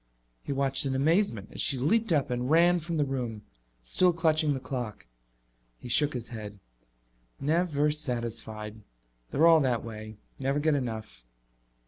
He watched in amazement as she leaped up and ran from the room, still clutching the clock. He shook his head. "Never satisfied. They're all that way. Never get enough."